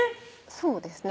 そうですね